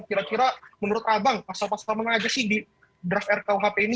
kira kira menurut abang pasal pasal mana aja sih di draft rkuhp ini